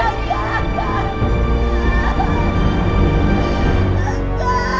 takutnya agak sekali